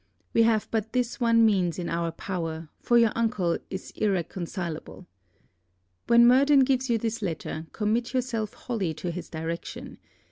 We have but this one means in our power, for your uncle is irreconcileable. When Murden gives you this letter, commit yourself wholly to his direction.